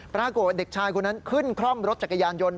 ปรากฏว่าเด็กชายคนนั้นขึ้นคร่อมรถจักรยานยนต์